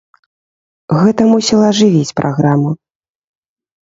Гэта мусіла ажывіць праграму.